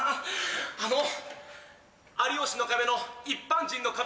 あの『有吉の壁』の「一般人の壁」。